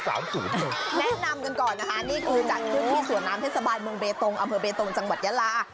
แนะนำกันก่อนนี่ก็จากคุณที่สวนามเทศบาลเมืองเบตรงอำเภอเบตรงจังหวัดย้าลา